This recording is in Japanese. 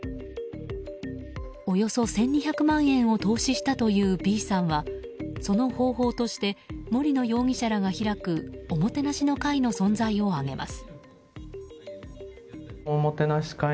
およそ１２００万円を投資したというＢさんはその方法として森野容疑者らが開くおもてなしの会の存在を挙げます。